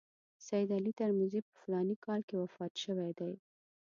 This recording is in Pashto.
سید علي ترمذي په فلاني کال کې وفات شوی دی.